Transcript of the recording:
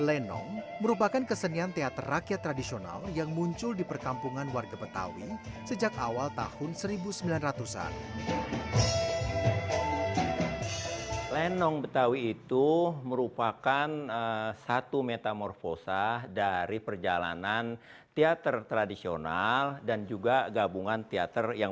lenong merupakan kesenian teater rakyat tradisional yang muncul di perkampungan warga petawi sejak awal tahun seribu sembilan ratus an